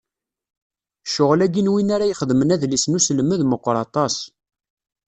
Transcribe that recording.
Ccɣel-agi n win ara ixedmen adlis n uselmed meqqer aṭas.